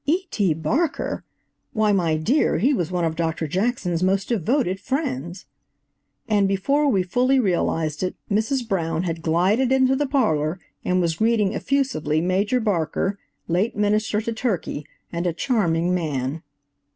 "E. T. Barker! Why, my dear, he was one of Dr. Jackson's most devoted friends." And before we fully realized it Mrs. Brown had glided into the parlor and was greeting effusively Major Barker, late Minister to Turkey, and a charming man.